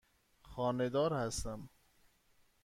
خانه دار هستم.